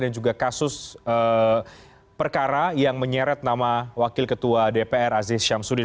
dan juga kasus perkara yang menyeret nama wakil ketua dpr aziz syamsuddin